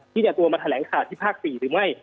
ที่จะตัวมาแถลงข่าวที่ภาค๔หรือไม่